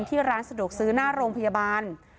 ที่ร้านสะดวกซื้อหน้าโรงพยาบาล